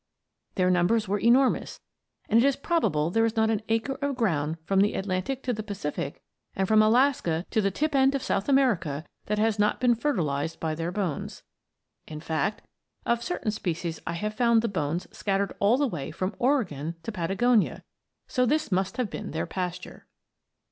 Their numbers were enormous, and it is probable there is not an acre of ground from the Atlantic to the Pacific, and from Alaska to the tip end of South America that has not been fertilized by their bones. In fact, of certain species I have found the bones scattered all the way from Oregon to Patagonia; so this must have been their pasture.